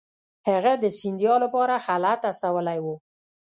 هغه د سیندیا لپاره خلعت استولی وو.